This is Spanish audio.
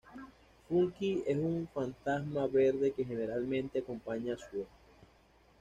Funky es un fantasma verde que generalmente acompaña a Sue.